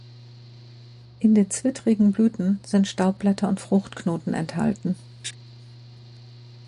In den zwittrigen Blüten sind Staubblätter und Fruchtknoten enthalten.